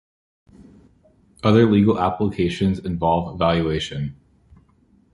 Other legal applications involve valuation.